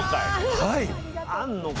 はい。